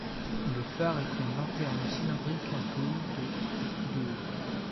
Le phare est une lanterne cylindrique en tôle de de haut.